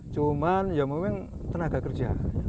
cuman ya memang tenaga kerja